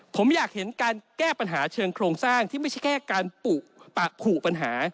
ผมอยากเห็นการแก้ปัญหาเชิงโครงสร้างที่ไม่ใช่แค่การปุปัญหา